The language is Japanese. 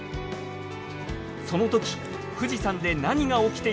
そのとき富士山で何が起きていたのか。